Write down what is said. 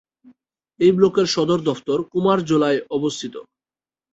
এই ব্লকের সদর দফতরে কুমারজোলায় অবস্থিত।